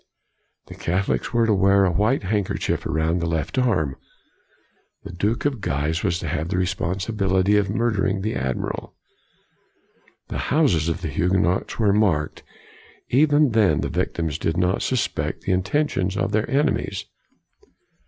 The Catholics were to wear a white handkerchief around the left arm. The Duke of Guise was to have the responsibility of murdering the Admiral. The houses of the Huguenots were marked. Even then the victims did not suspect the intentions of their enemies.